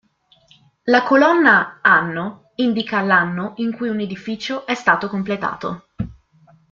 La colonna "Anno" indica l'anno in cui un edificio è stato completato.